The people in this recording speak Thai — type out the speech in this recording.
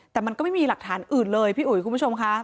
แต่มันก็ไม่มีหลักฐานอื่นเลยพี่อุ๋ยคุณผู้ชมค่ะ